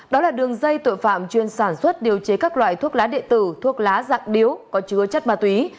đó là đường dây tội phạm chuyên sản xuất điều chế các loại thuốc lá địa tử thuốc lá dạng điếu có chứa chất ma túy